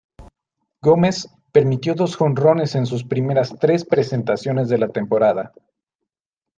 Gómez permitió dos jonrones en sus primeras tres presentaciones de la temporada.